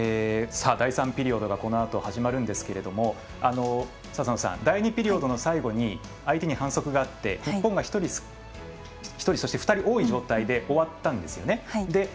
第３ピリオドがこのあと始まるんですけれども第２ピリオドの最後に相手に反則があって日本が２人多い状態で終わったんですよね。